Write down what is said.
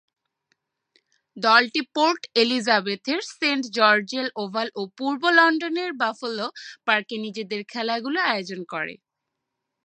দলটি পোর্ট এলিজাবেথের saint George's Oval ও পূর্ব লন্ডনের বাফেলো পার্কে নিজেদের খেলাগুলো আয়োজন করে।